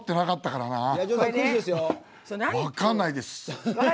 分からないです。